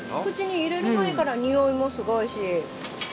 口に入れる前からにおいもすごいし。